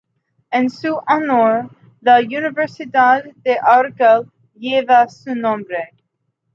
En su honor, la universidad de Argel lleva su nombre.